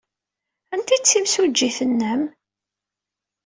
Anta ay d timsujjit-nnem?